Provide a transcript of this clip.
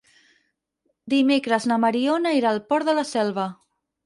Dimecres na Mariona irà al Port de la Selva.